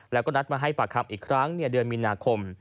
แล้วก็นัดมาให้ปากคำอีกครั้งเดือนมีนาคม